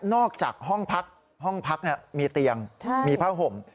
อกจากห้องพักห้องพักมีเตียงมีผ้าห่ม